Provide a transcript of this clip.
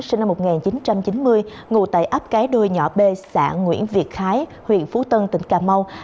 sinh năm một nghìn chín trăm chín mươi ngụ tại áp cái đuôi nhỏ b xã nguyễn việt khái huyện phú tân tỉnh cà mau